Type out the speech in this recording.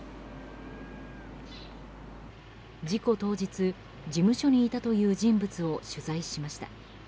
事故当日、事務所にいたという人物を取材しました。